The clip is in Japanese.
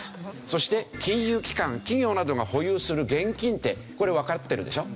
そして金融機関企業などが保有する現金ってこれわかってるでしょ？